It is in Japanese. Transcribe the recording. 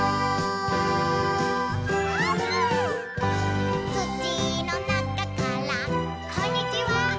「あーぷん」「土の中からこんにちは」